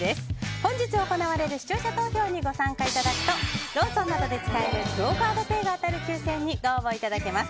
本日行われる視聴者投票にご参加いただくとローソンなどで使えるクオ・カードペイが当たる抽選にご応募いただけます。